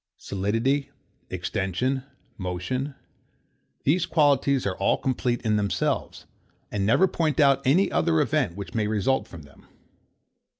Solidity, extension, motion; these qualities are all complete in themselves, and never point out any other event which may result from them.